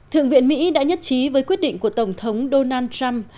thượng viện mỹ đã nhất trí với quyết định của tổng thống donald trump